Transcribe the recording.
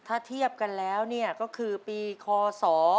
ถ้าเทียบกันแล้วเนี่ยก็คือปีคศ